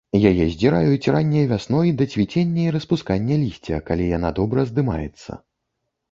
Яе здзіраюць ранняй вясной, да цвіцення і распускання лісця, калі яна добра здымаецца.